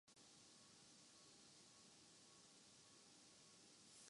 عملی زندگی میں انہوں نے تدریسی شعبے کا انتخاب کیا